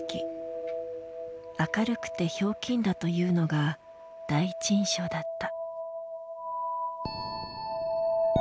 明るくてひょうきんだというのが第一印象だった。